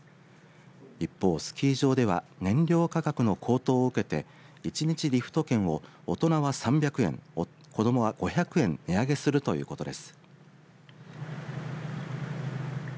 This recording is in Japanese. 一方、スキー場では燃料価格の高騰を受けて１日リフト券を大人は３００円子どもは５００円値上げするということです。